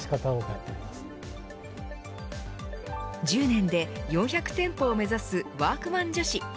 １０年で４００店舗を目指すワークマン女子。